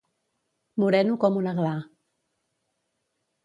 Moreno com una gla.